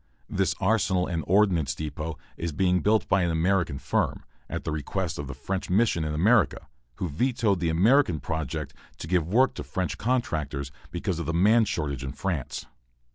This arsenal and ordnance depot is being built by an American firm, at the request of the French Mission in America, who vetoed the American project to give the work to French contractors, because of the man shortage in France.